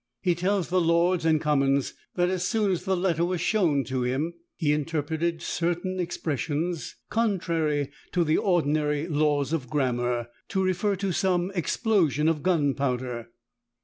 He tells the lords and commons, that as soon as the letter was shewn to him, he interpreted certain expressions, contrary to the ordinary laws of grammar, to refer to some explosion of gunpowder.